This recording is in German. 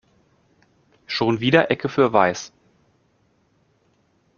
Schon wieder Ecke für weiß.